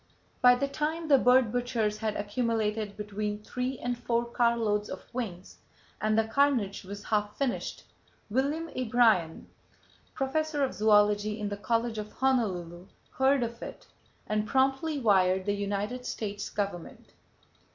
By the time the bird butchers had accumulated between three and four car loads of wings, and the carnage was half finished, William A. Bryan, Professor of Zoology in the College of Honolulu, heard of it and promptly wired the United States Government.